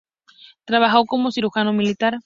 Trabajó como cirujano militar.